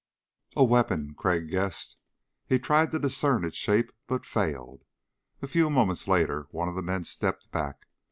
A weapon, Crag guessed. He tried to discern its shape but failed. A few moments later one of the men stepped back.